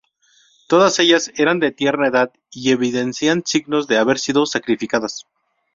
Todas ellas eran de tierna edad y evidencian signos de haber sido sacrificadas.